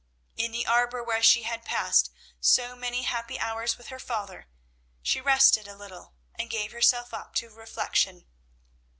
In the arbour where she had passed so many happy hours with her father, she rested a little, and gave herself up to reflection.